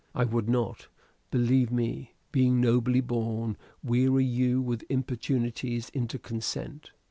I would not, believe me, being nobly born, weary you with importunities into consent.